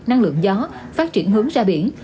năng lượng gió phát triển hướng ra biển